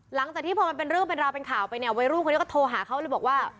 หลังจากที่พอมันเป็นเรื่องเป็นราวเป็นข่าวไปเนี่ยวัยรุ่นคนนี้ก็โทรหาเขาเลยบอกว่า